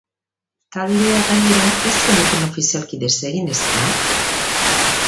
Taldea, gainera, ez zenuten ofizialki desegin, ezta?